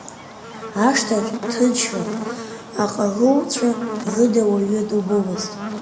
Ашҭаҿ ҭынчран, аҟарулцәа рыда уаҩы дубомызт.